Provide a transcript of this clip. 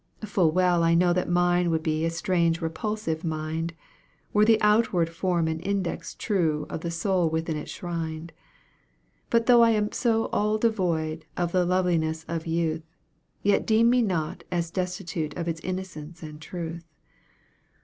Full well I know that mine would be a strange repulsive mind, Were the outward form an index true of the soul within it shrined; But though I am so all devoid of the loveliness of youth, Yet deem me not as destitute of its innocence and truth.